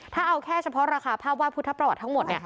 ถ้าเอาแค่เฉพาะราคาภาพวาดพุทธประวัติทั้งหมด